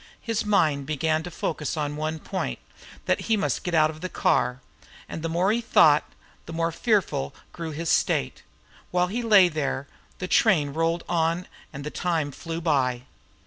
His mind began to focus on one point, that he must get out of the car, and the more he thought the more fearful grew his state. While he lay there the train rolled on and the time flew by.